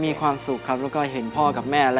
มีความสุขครับแล้วก็เห็นพ่อกับแม่อะไร